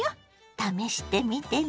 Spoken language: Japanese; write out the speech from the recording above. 試してみてね。